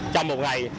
trong một ngày